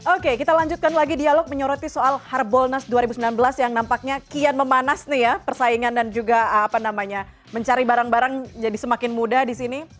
oke kita lanjutkan lagi dialog menyoroti soal harbolnas dua ribu sembilan belas yang nampaknya kian memanas nih ya persaingan dan juga apa namanya mencari barang barang jadi semakin mudah di sini